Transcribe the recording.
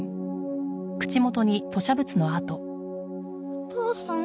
お父さん？